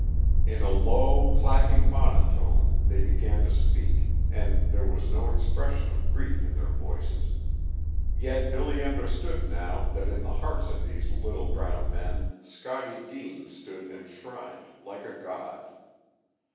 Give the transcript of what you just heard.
In a low, clacking monotone they began to speak, and there was no expression of grief in their voices. Yet Billy understood now that in the hearts of these little brown men Scottie Deane stood enshrined like a god.